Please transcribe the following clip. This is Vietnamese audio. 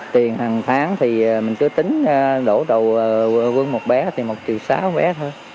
tiền hàng tháng thì mình cứ tính đổ đầu quân một bé thì một triệu sáu bé thôi